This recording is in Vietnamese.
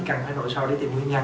cần phải nội soi để tìm nguyên nhân